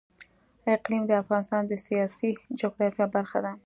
اقلیم د افغانستان د سیاسي جغرافیه برخه ده.